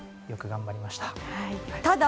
よく頑張りました。